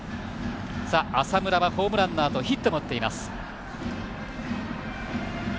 浅村はホームランのあとヒットも打っています。